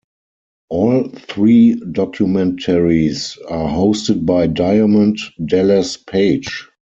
All three documentaries are hosted by Diamond Dallas Page.